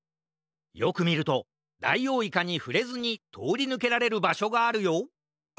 よくみるとダイオウイカにふれずにとおりぬけられるばしょがあるよ！